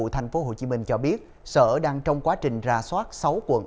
sở nội vụ tp hcm cho biết sở đang trong quá trình ra soát sáu quận